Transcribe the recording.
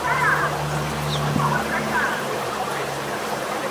خو اووه زره کلونه; غُلامي درته په کار ده;;